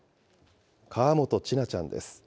河本千奈ちゃんです。